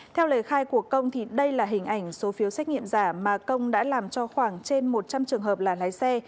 theo lời khai của công thì đây là hình ảnh số phiếu xét nghiệm giả mà công đã làm cho khoảng trên một trăm linh trường hợp là lái xe